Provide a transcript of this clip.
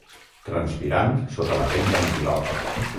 Transpirant sota la pell d'antilop.